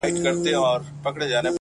چي منلی پر کابل او هندوستان وو؛